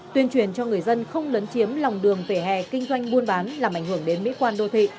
tuyên truyền cho người dân không lấn chiếm lòng đường vỉa hè kinh doanh buôn bán làm ảnh hưởng đến mỹ quan đô thị